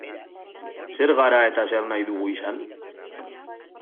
Zer gara eta zer nahi dugu izan?